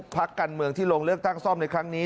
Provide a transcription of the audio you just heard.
พักการเมืองที่ลงเลือกตั้งซ่อมในครั้งนี้